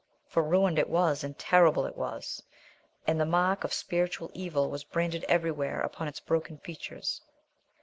For ruined it was, and terrible it was, and the mark of spiritual evil was branded everywhere upon its broken features.